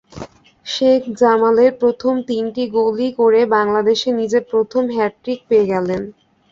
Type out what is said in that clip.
শেখ জামালের প্রথম তিনটি গোলই করে বাংলাদেশে নিজের প্রথম হ্যাটট্রিক পেয়ে গেলেন।